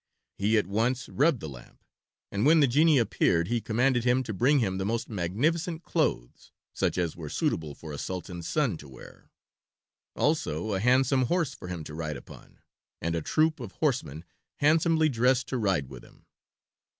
He at once rubbed the lamp, and when the genie appeared he commanded him to bring him the most magnificent clothes, such as were suitable for a Sultan's son to wear, also a handsome horse for him to ride upon, and a troop of horsemen, handsomely dressed to ride with him.